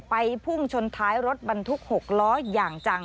พุ่งชนท้ายรถบรรทุก๖ล้ออย่างจัง